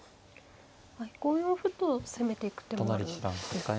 はい５四歩と攻めていく手もあるんですね。